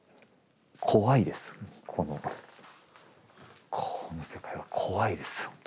怖いですこのこの世界は怖いですほんとに。